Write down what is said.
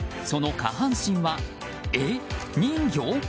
その下半身は、え、人魚？